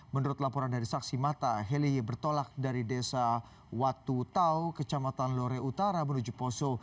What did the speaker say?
menurut laporan dari saksi mata heli bertolak dari desa watu tau kecamatan lore utara menuju poso